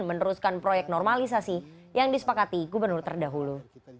meneruskan proyek normalisasi yang disepakati gubernur terdahulu